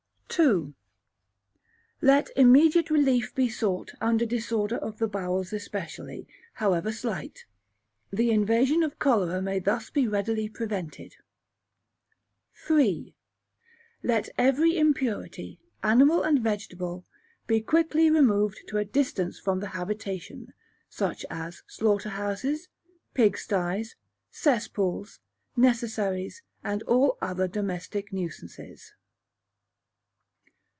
ii. Let immediate Relief be sought under disorder of the bowels especially, however slight. The invasion of cholera may thus be readily prevented. iii. Let every Impurity, animal and vegetable, be quickly removed to a distance from the habitation, such as slaughterhouses, pig sties, cesspools, necessaries, and all other domestic nuisances.